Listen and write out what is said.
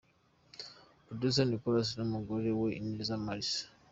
Producer Nicolas n’umugore we Ineza Melisa.